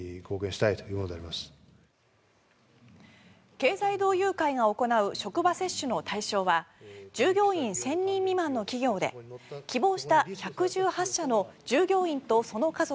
経済同友会が行う職場接種の対象は従業員１０００人未満の企業で希望した１１８社の従業員とその家族